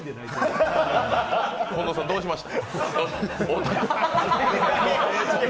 近藤さん、どうしました？